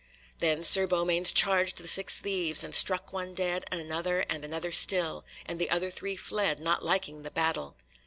Then Sir Beaumains charged the six thieves, and struck one dead, and another, and another still, and the other three fled, not liking the battle.